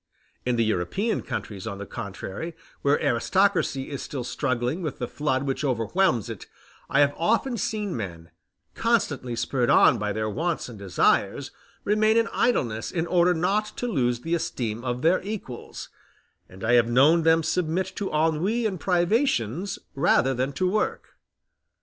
In the European countries, on the contrary, where aristocracy is still struggling with the flood which overwhelms it, I have often seen men, constantly spurred on by their wants and desires, remain in idleness, in order not to lose the esteem of their equals; and I have known them submit to ennui and privations rather than to work.